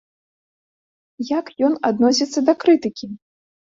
Як ён адносіцца да крытыкі?